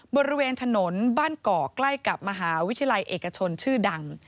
บริเวณถนนบ้านกอกใกล้กับมหาวิทยาลัยเอกชนชื่อดัง